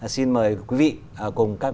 xin mời quý vị cùng